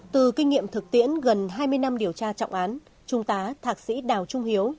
từ kinh nghiệm thực tiễn gần hai mươi năm điều tra trọng án trung tá thạc sĩ đào trung hiếu